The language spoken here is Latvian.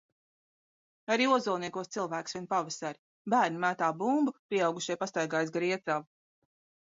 Arī Ozolniekos cilvēki svin pavasari – bērni mētā bumbu, pieaugušie pastaigājas gar Iecavu.